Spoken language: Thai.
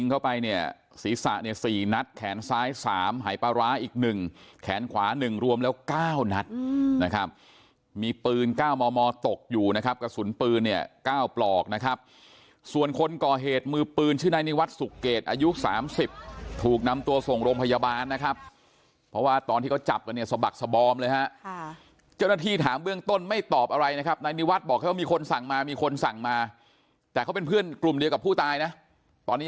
ก็ไปเนี่ยศีรษะเนี่ยสี่นัดแขนซ้ายสามหายปลาร้าอีกหนึ่งแขนขวาหนึ่งรวมแล้วก้าวนัดนะครับมีปืนก้าวมอมอตกอยู่นะครับกระสุนปืนเนี่ยก้าวปลอกนะครับส่วนคนก่อเหตุมือปืนชื่อนายนีวัดสุกเกตอายุสามสิบถูกนำตัวส่งโรงพยาบาลนะครับเพราะว่าตอนที่เขาจับกันเนี่ยสบักสบอมเลยฮะค่ะเจ